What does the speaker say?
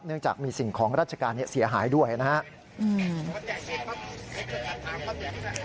จากมีสิ่งของราชการเสียหายด้วยนะครับ